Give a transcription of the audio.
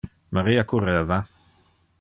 Maria curreva.